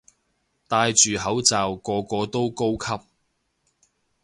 戴住口罩個個都高級